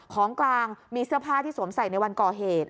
ของกลางมีเสื้อผ้าที่สวมใส่ในวันก่อเหตุ